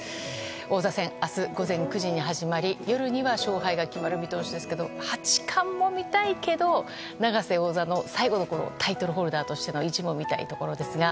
王座戦は明日、午前９時に始まり夜には勝敗が決まる見通しですが八冠も見たいけど永瀬拓矢王座の最後のタイトルホルダーの意地も見たいですが。